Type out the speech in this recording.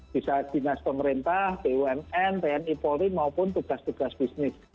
bisa dinas pemerintah bumn tni polri maupun tugas tugas bisnis